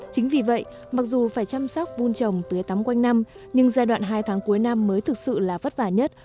chính vì vậy mặc dù phải chăm sóc vun trồng tưới tắm quanh năm nhưng giai đoạn hai tháng cuối năm mới thực sự là vất vả nhất